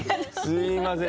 すみません